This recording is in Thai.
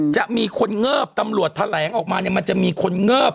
จะมีคนเงิบตำรวจแถลงออกมาเนี่ยมันจะมีคนเงิบ